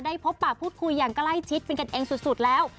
พบปากพูดคุยอย่างใกล้ชิดเป็นกันเองสุดแล้ว